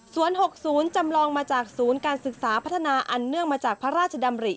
ส่วน๖๐จำลองมาจากศูนย์การศึกษาพัฒนาอันเนื่องมาจากพระราชดำริ